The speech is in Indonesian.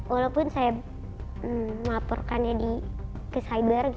walaupun saya melaporkannya ke cyber